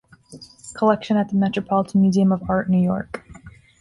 Collection at the Metropolitan Museum of Art, New York.